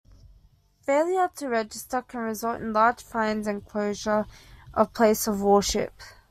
Failure to register can result in large fines and closure of place of worship.